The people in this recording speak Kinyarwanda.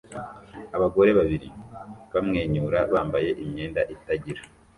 Abagore babiri bamwenyura bambaye imyenda itagira